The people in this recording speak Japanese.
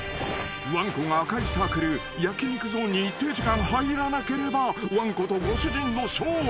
［わんこが赤いサークル焼き肉ゾーンに一定時間入らなければわんことご主人の勝利］